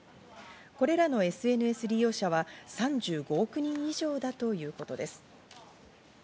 これらのＳＮＳ利用者は３５億人以上だということです。